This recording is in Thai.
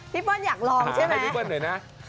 พี่เปิ้ลอยากลองใช่ไหมครับหาให้พี่เปิ้ลหน่อยนะ